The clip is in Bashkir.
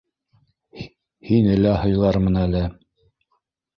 Һине лә һыйлармын әле.